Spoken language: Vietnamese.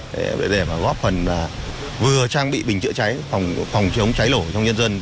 để mà góp phần vừa trang bị bình chữa cháy phòng chống cháy nổ trong nhân dân